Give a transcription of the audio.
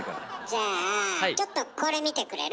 じゃあちょっとこれ見てくれる？